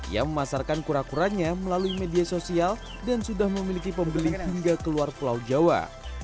ia memasarkan kura kuranya melalui media sosial dan sudah memiliki pembeli hingga keluar pulau jawa